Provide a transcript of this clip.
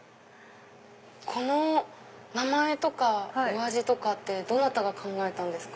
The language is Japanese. この名前とかお味とかってどなたが考えたんですか？